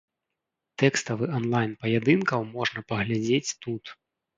Тэкставы анлайн паядынкаў можна паглядзець тут.